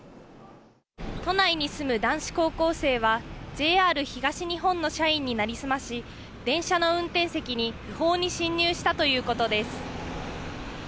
都内に住む男子高校生は、ＪＲ東日本の社員に成り済まし、電車の運転席に不法に侵入したということです。